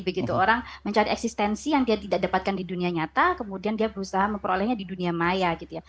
jadi begitu orang mencari eksistensi yang dia tidak dapatkan di dunia nyata kemudian dia berusaha memperolehnya di dunia maya gitu ya